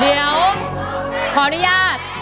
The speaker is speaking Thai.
เดี๋ยวขออนุญาต